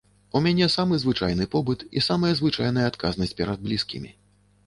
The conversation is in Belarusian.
У мяне самы звычайны побыт і самая звычайная адказнасць перад блізкімі.